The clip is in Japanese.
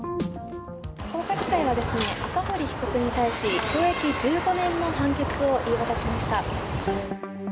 福岡地裁は赤堀被告に対し懲役１５年の判決を言い渡しました。